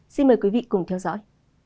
xin mời quý vị cùng theo dõi